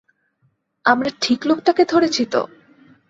আমরা ঠিক লোকটাকে ধরেছি তো?